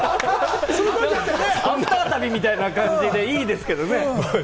アフター旅みたいな感じでいいですけれどもね。